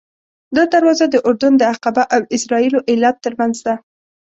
دا دروازه د اردن د عقبه او اسرائیلو ایلات ترمنځ ده.